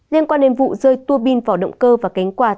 liên quan đến vụ rơi tua pin vỏ động cơ và cánh quạt